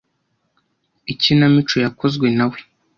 Ikinamico yakozwe na we.